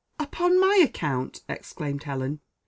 "Upon my account!" exclaimed Helen.